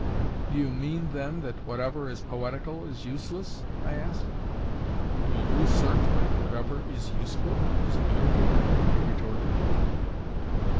"Do you mean, then, that whatever is poetical is useless?" I asked. "Do you assert that whatever is useful is beautiful?" he retorted.